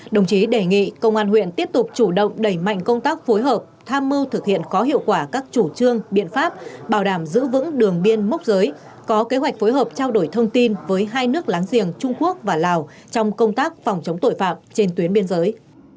đồng chí đề nghị công an huyện tiếp tục chủ động đẩy mạnh công tác phối hợp tham mưu thực hiện có hiệu quả các chủ trương biện pháp bảo đảm giữ vững đường biên mốc giới có kế hoạch phối hợp trao đổi thông tin với hai nước láng giềng trung quốc và lào trong công tác phòng chống tội phạm trên tuyến biên giới